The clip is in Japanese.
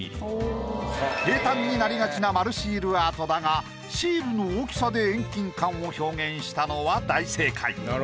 平たんになりがちな丸シールアートだがシールの大きさで遠近感を表現したのは大正解。